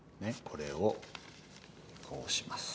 これをこうします。